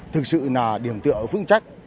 thực sự là điểm tựa phức trách